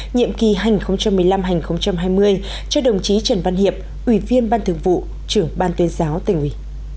nhiệm kỳ hai nghìn một mươi năm hai nghìn hai mươi cho đồng chí trần văn hiệp ủy viên ban thường vụ trưởng ban tuyên giáo tỉnh ủy